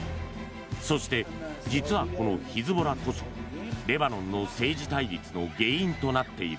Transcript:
そして、実はこのヒズボラこそレバノンの政治対立の原因となっている。